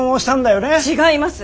違います。